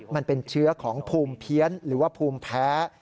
มันเป็นเชื้อของภูมิเพี้ยนหรือว่าภูมิแพ้